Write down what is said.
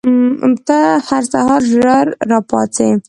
ته هر سهار ژر راپاڅې؟